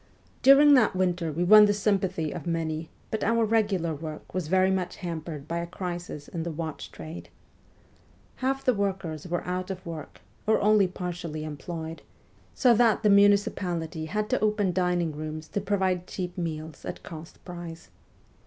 During that winter we won the sympathy of many, but our regular work was very much hampered by a crisis in the watch trade. Half the workers were out of work or only partially employed, so that the munici pality had to open dining rooms to provide cheap meals at cost price.